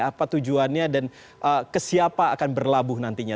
apa tujuannya dan ke siapa akan berlabuh nantinya